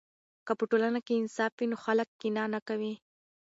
که په ټولنه کې انصاف وي نو خلک کینه نه کوي.